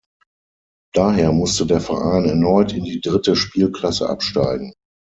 Daher musste der Verein erneut in die dritte Spielklasse absteigen.